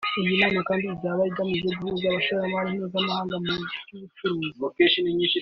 Iyi nama kandi izaba igamije guhuza abashoramari mpuzamahanga mu by’ubucuruzi